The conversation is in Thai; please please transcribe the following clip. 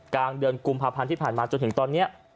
กลางเดือนกุมภาพันธ์ที่ผ่านมาจนถึงตอนนี้